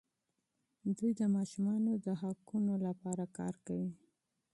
دوی د ماشومانو د حقونو لپاره کار کوي.